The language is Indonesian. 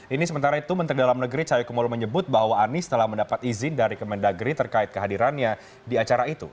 ini sementara itu menteri dalam negeri cahaya kumolo menyebut bahwa anies telah mendapat izin dari kemendagri terkait kehadirannya di acara itu